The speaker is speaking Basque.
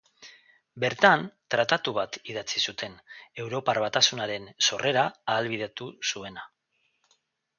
Bertan tratatu bat idatzi zuten, Europar Batasunaren sorrera ahalbidetu zuena.